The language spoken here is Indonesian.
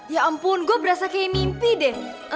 ya ampun gue berasa kayak mimpi deh